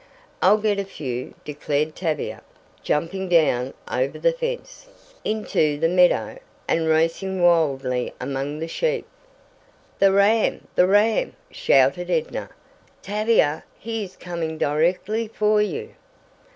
"I'll get a few!" declared Tavia, jumping down over the fence, into the meadow, and racing wildly among the sheep. "The ram! The ram!" shouted Edna. "Tavia! He is coming directly for you!"